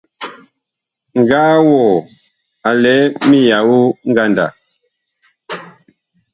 Ŋgaa wɔɔ a lɛ miyao ngandag.